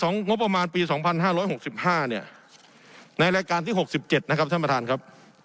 งบประมาณปี๒๕๖๕เนี่ยในรายการที่๖๗นะครับท่านประธานครับ